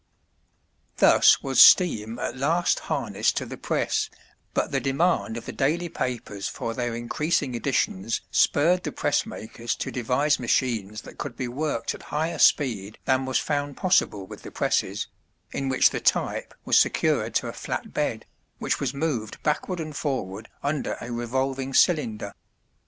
Thus was steam at last harnessed to the press, but the demand of the daily papers for their increasing editions spurred the press makers to devise machines that could be worked at higher speed than was found possible with the presses, in which the type was secured to a flat bed, which was moved backward and forward under a revolving cylinder.